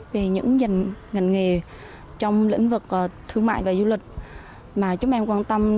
về những ngành nghề trong lĩnh vực thương mại và du lịch mà chúng em quan tâm